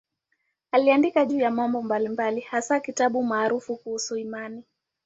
Aliandika juu ya mambo mbalimbali, hasa kitabu maarufu kuhusu imani.